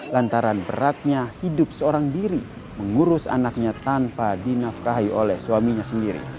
lantaran beratnya hidup seorang diri mengurus anaknya tanpa dinafkahi oleh suaminya sendiri